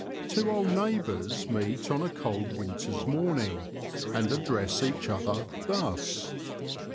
Two old neighbours meet on a cold winter's morning, and address each other thus : A.